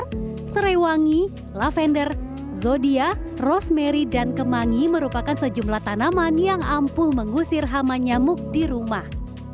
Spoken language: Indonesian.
ke serai wangi lavender zodia rosemary dan kemangi merupakan sejumlah tanaman yang ampuh mengusir hama nyamuk di rumah